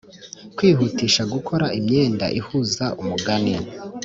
kwihutisha gukora imyanda ihuza umugani